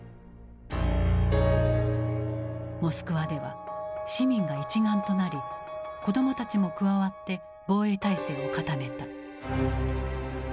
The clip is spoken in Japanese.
モスクワでは市民が一丸となり子どもたちも加わって防衛体制を固めた。